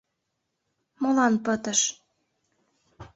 Молан пытыш?